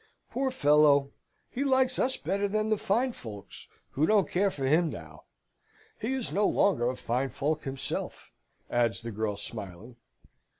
"Poor fellow! He likes us better than the fine folks, who don't care for him now now he is no longer a fine folk himself," adds the girl, smiling.